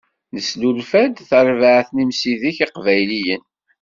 Nesnulfa-d tarbaεt n imsidag iqbayliyen.